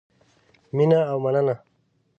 مینه او مننه